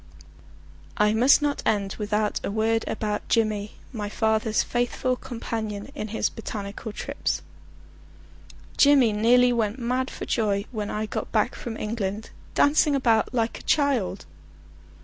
I must not end without a word about Jimmy, my father's faithful companion in his botanical trips. Jimmy nearly went mad for joy when I got back from England, dancing about like a child.